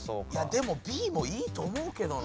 でもＢもいいと思うけどな。